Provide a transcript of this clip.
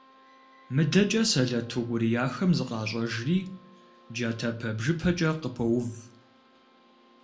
МыдэкӀэ сэлэт укӀурияхэм зыкъащӀэжри джатэпэ-бжыпэкӀэ къыпоув.